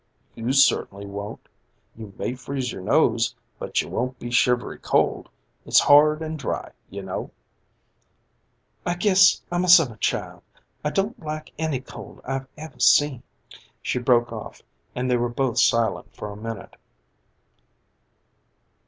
"You certainly won't. You may freeze your nose, but you won't be shivery cold. It's hard and dry, you know." "I guess I'm a summer child. I don't like any cold I've ever seen." She broke off and they were both silent for a minute.